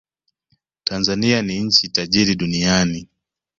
Tanzania ni nchi tajiri duniani